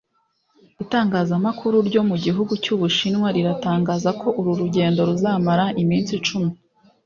Itangazamakuru ryo mu gihugu cy’Ubushinwa riratangaza ko uru rugendo ruzamara iminsi icumi